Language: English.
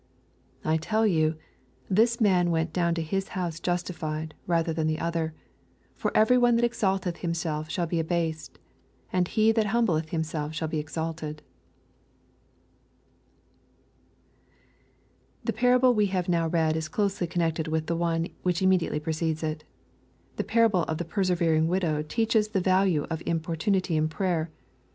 14 I tell you, this mwi went down to his house justified rather than the other : for every one that exalteth himself shall be abased ; and he that humbleth himself shall be exalted. » 99 The parable we have now read is closely connected with the one which immediately precedes it. The parable of the persevering widow teaches the value of importunity in prayer.